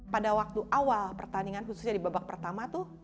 pada waktu awal pertandingan khususnya di babak pertama tuh